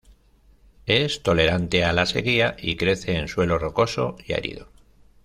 Es tolerante a la sequía y crece en suelo rocoso y árido.